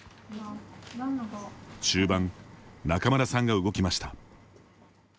中盤、仲邑さんが動きました。